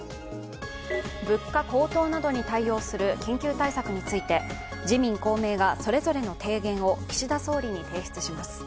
物価高騰などに対応する緊急対策について、自民・公明がそれぞれの提言を岸田総理に提出します。